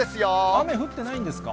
雨降ってないですか？